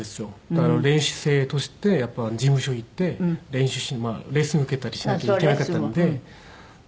だから練習生としてやっぱ事務所行って練習レッスン受けたりしなきゃいけなかったので。